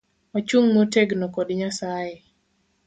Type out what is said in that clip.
Wachung motegno kod nyasaye